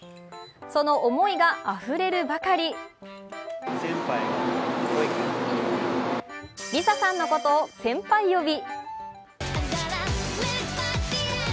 その思いがあふれるばかりＬｉＳＡさんのことを先輩呼び。